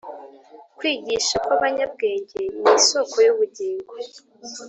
kwigisha kw’abanyabwenge ni isōko y’ubugingo